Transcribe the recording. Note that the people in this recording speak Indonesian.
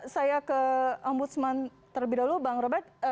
saya ke ombudsman terlebih dahulu bang robert